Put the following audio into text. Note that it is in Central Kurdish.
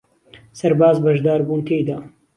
سەرباز بەشدار بوون تێیدا